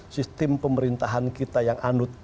sistem pemerintahan kita yang anut